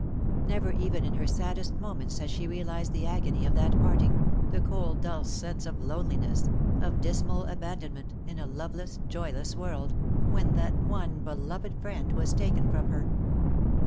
Never even in her saddest moments had she realized the agony of that parting, the cold dull sense of loneliness, of dismal abandon ment, in a loveless, joyless, world, when that one be loved friend was taken from her.